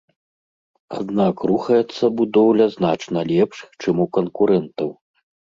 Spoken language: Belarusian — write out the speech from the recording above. Аднак рухаецца будоўля значна лепш, чым у канкурэнтаў.